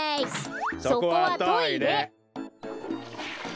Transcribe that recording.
そこはトイレ！